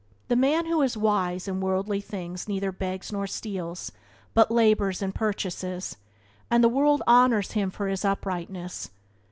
The man who is wise in worldly things neither begs nor steals, but labours and purchases, and the world honours him for his uprightness.